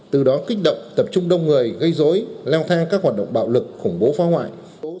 từ đó kích động tập trung đông người gây dối leo thang các hoạt động bạo lực khủng bố phá hoại